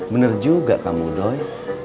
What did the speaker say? bener juga kamu doi